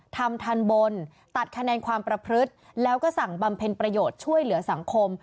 ทำทันบนตัดคะแนนความประพฤติแล้วก็สั่งบำเพ็ญประโยชน์ช่วยเหลือสังคม